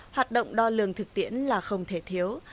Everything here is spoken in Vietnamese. hoạt động đo lường thực tiễn là không thể thiếu